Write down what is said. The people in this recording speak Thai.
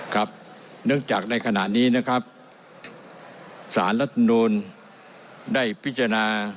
ครับเนื่องจากในขณะนี้นะครับสารรัฐมนูลได้พิจารณา